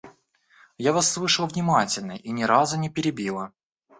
Я Вас слушала внимательно и ни разу не перебила.